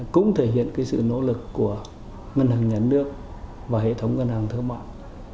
cũng thể hiện sự nỗ lực của ngân hàng nhà nước và hệ thống ngân hàng thơ mạng